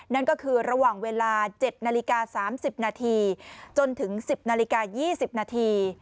นั่นก็คือระหว่างเวลา๗นาฬิกา๓๐นาทีจนถึง๑๐นาฬิกา๒๐นาที